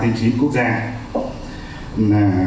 ba tên chính quốc gia